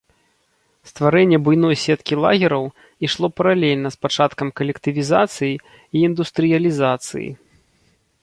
Стварэнне буйной сеткі лагераў ішло паралельна з пачаткам калектывізацыі і індустрыялізацыі.